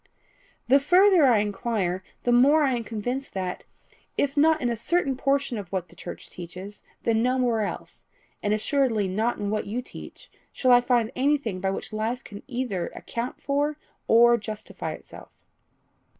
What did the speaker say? "The further I inquire, the more am I convinced that, if not in a certain portion of what the church teaches, then nowhere else, and assuredly not in what you teach, shall I find anything by which life can either account for or justify itself."